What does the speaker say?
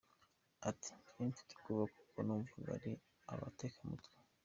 Ati” Nje mfite ubwoba kuko numvaga ari abatekamutwe.